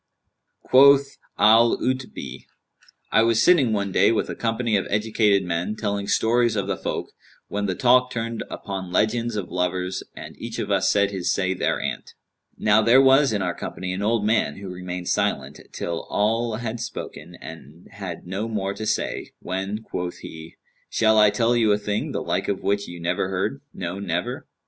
Quoth Al 'Utbν[FN#190], "I was sitting one day with a company of educated men, telling stories of the folk, when the talk turned upon legends of lovers and each of us said his say thereanent. Now there was in our company an old man, who remained silent, till all had spoken and had no more to say, when quoth he, 'Shall I tell you a thing, the like of which you never heard; no, never?'